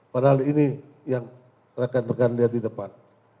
padahal ini yang rekan rekan lihat di depan